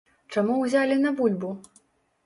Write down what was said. Чаму ўзялі на бульбу?